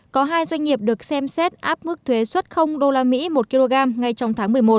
có hai doanh nghiệp được xem xét áp mức thuế xuất usd một kg ngay trong tháng một mươi một